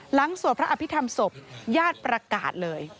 สวดพระอภิษฐรรมศพญาติประกาศเลย